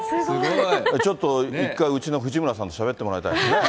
ちょっと一回、うちの藤村さんとしゃべってもらいたいですね。